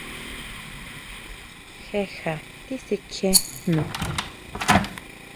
Jé sjá tisikjien jnu.